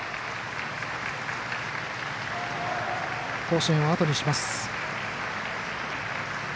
甲子園をあとにします。